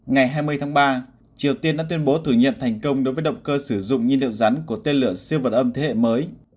ngày hai mươi tháng ba triều tiên đã tuyên bố thử nghiệm thành công đối với động cơ sử dụng nhiên liệu rắn của tên lửa siêu vật âm thế hệ mới